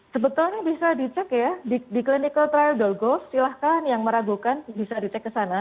sebetulnya bisa dicek ya di clinical trial gos silahkan yang meragukan bisa dicek ke sana